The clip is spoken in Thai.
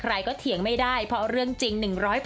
ใครก็เถียงไม่ได้เพราะเรื่องจริง๑๐๐